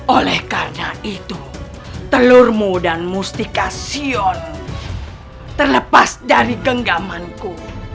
oleh karena itu telurmu dan mustika sion terlepas dari genggamanku